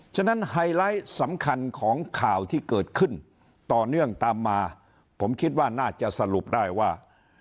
ฉะนั้นไฮไลท์สำคัญของข่าวที่เกิดขึ้นต่อเนื่องตามมาผมคิดว่าน่าจะสรุปได้ว่า